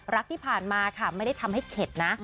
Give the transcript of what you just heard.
รักที่ผ่านมาค่ะไม่ได้ทำให้เข็ดนะ